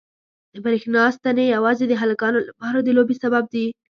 د برېښنا ستنې یوازې د هلکانو لپاره د لوبو سبب دي.